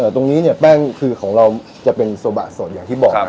ตรงนี้เนี่ยแป้งคือของเราจะเป็นโซบะสดอย่างที่บอก